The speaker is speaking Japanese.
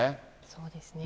そうですね。